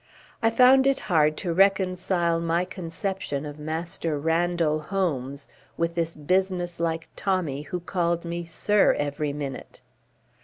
I found it hard to reconcile my conception of Master Randall Holmes with this businesslike Tommy who called me "Sir" every minute.